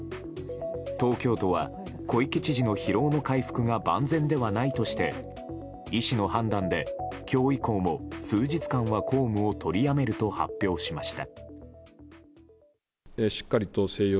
東京都は小池知事の疲労の回復が万全ではないとして医師の判断で、今日以降も数日間は公務を取りやめると発表しました。